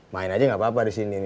main aja gak apa apa disini